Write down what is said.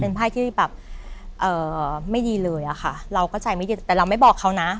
ไพ่ที่แบบเอ่อไม่ดีเลยอะค่ะเราก็ใจไม่ดีแต่เราไม่บอกเขานะ